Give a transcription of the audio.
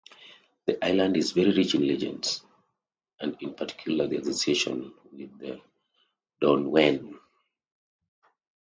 The island is very rich in legends, and in particular the association with Dwynwen.